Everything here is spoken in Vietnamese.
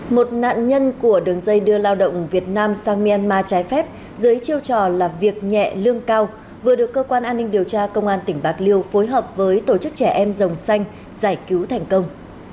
một nạn nhân của đường dây đưa lao động việt nam sang myanmar trái phép dưới chiêu trò là việc nhẹ lương cao vừa được cơ quan an ninh điều tra công an tỉnh bạc liêu phối hợp với tổ chức trẻ em dòng xanh giải cứu thành công